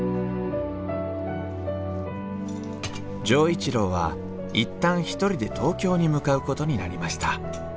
錠一郎は一旦一人で東京に向かうことになりました。